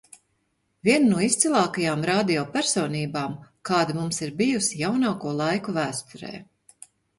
Viena no izcilākajām radio personībām, kāda mums ir bijusi jaunāko laiku vēsturē.